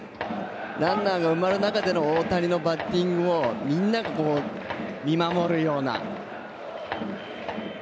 ランナーが埋まる中での大谷のバッティングをみんなが見守るような。